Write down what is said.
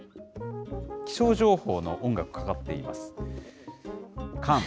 気象情報の音楽かかっています。